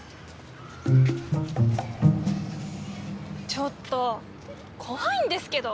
ちょっと怖いんですけど！